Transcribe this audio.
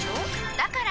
だから！